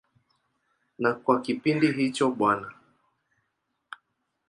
Na kwa kipindi hicho Bw.